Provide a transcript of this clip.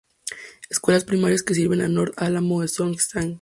Escuelas primarias que sirven a North Alamo son Sgt.